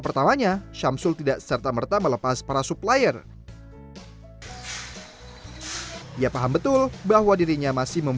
banyak ya ngumpul disini ya